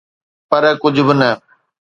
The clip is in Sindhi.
پر ڪجھ به نه.